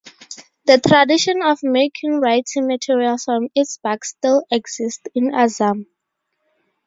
The tradition of making writing materials from its bark still exists in Assam.